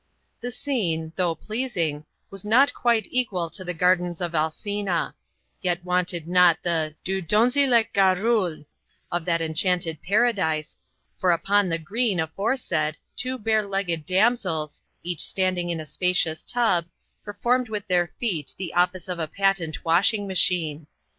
The scene, though pleasing, was not quite equal to the gardens of Alcina; yet wanted not the 'due donzellette garrule' of that enchanted paradise, for upon the green aforesaid two bare legged damsels, each standing in a spacious tub, performed with their feet the office of a patent washing machine.